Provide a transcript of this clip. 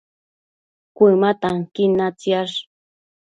Cuëma tanquin natsiash